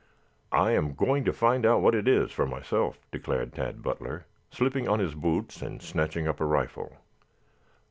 I am going to find out what it is for myself," declared Tad Butler, slipping on his boots and snatching up a rifle.